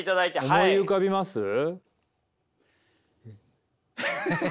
思い浮かびます？